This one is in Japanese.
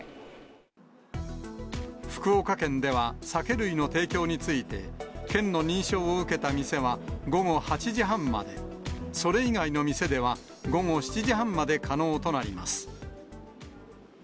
福岡県では、酒類の提供について、県の認証を受けた店は、午後８時半まで、それ以外の店では午後７時半まで可能となります。